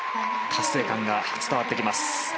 達成感が伝わってきます。